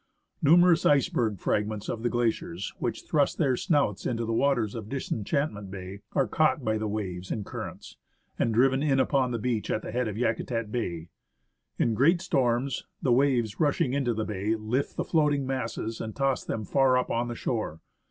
Numerous icebergs, fragments of the glaciers which thrust their snouts into the waters of Disenchantment Bay, are caught by the wind and the currents, and driven in upon the beach at the head of Yakutat Bay. In great storms, the waves, rushing into the bay, lift the floating masses, and toss them far up on the shore.